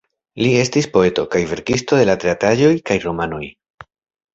Li estis poeto, kaj verkisto de teatraĵoj kaj romanoj.